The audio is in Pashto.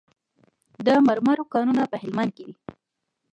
د مرمرو کانونه په هلمند کې دي